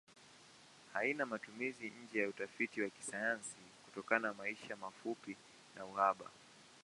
Haina matumizi nje ya utafiti wa kisayansi kutokana maisha mafupi na uhaba.